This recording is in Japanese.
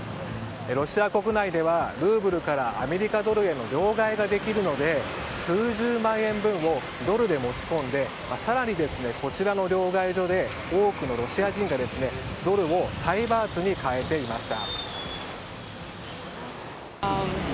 ロシア国内ではルーブルからアメリカドルへの両替ができるので数十万円分をドルで持ち込んで更にこちらの両替所で多くのロシア人がドルをタイ・バーツに替えていました。